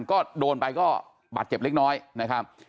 ก็โดนไปก็บาดเจ็บเล็กน้อยนะครับ